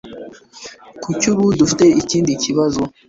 Kuri ubu, dufite ikindi kibazo